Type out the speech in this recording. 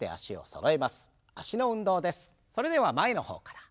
それでは前の方から。